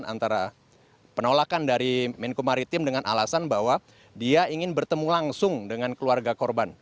jadi memang terjadi perdebatan dan keributan antara penolakan dari menko maritim dengan alasan bahwa dia ingin bertemu langsung dengan keluarga korban